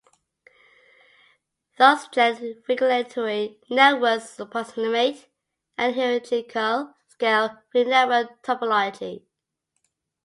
Thus gene regulatory networks approximate a hierarchical scale free network topology.